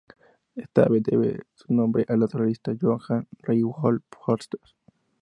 Esta ave debe su nombre al naturalista Johann Reinhold Forster.